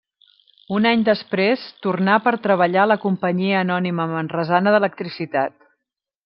Un any després tornar per treballar a la Companyia Anònima Manresana d'Electricitat.